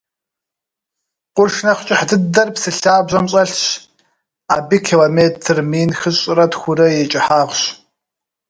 Къурш нэхь кӏыхь дыдэр псы лъабжьэм щӏэлъщ, абы километр мин хыщӏрэ тхурэ и кӏыхьагъщ.